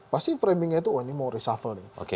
pasti framingnya itu oh ini mau reshuffle nih